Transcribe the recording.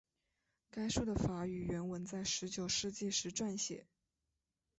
该书的法语原文在十九世纪时撰写。